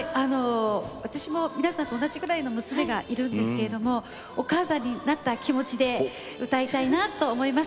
私も皆さんと同じぐらいの娘がいるんですけれどもお母さんになった気持ちで歌いたいなと思います。